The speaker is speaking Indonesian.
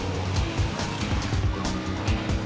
balik balik balik